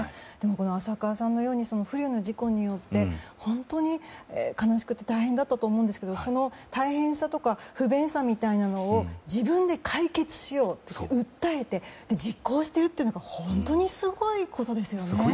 でも、浅川さんのように不慮の事故によって本当に悲しくて大変だったと思うんですけどその大変さとか不便さみたいなものを自分で解決しようと訴えて実行しているというのは本当にすごいことですよね。